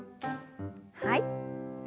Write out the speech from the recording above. はい。